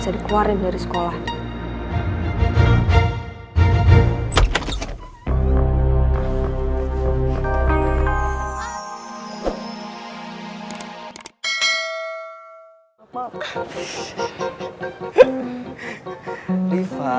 aduh bel bel